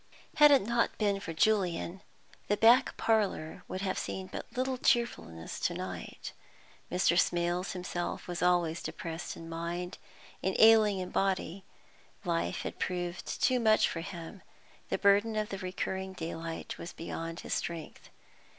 Had it not been for Julian, the back parlour would have seen but little cheerfulness to night. Mr. Smales himself was always depressed in mind and ailing in body. Life had proved too much for him; the burden of the recurring daylight was beyond his strength.